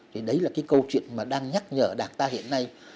thì đấy là cái câu chuyện mà đang nhắc nhở đảng ta hiện nay